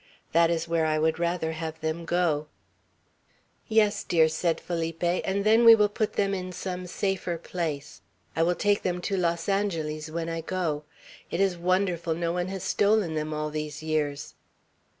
That is where I would rather have them go." "Yes, dear," said Felipe; "and then we will put them in some safer place. I will take them to Los Angeles when I go. It is wonderful no one has stolen them all these years!"